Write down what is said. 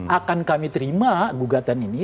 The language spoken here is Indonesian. akan kami terima gugatan ini